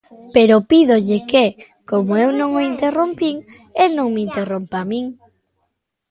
Pero pídolle que, como eu non o interrompín, el no me interrompa a min.